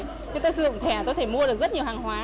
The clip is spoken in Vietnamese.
nhưng tôi sử dụng thẻ tôi có thể mua được rất nhiều hàng hóa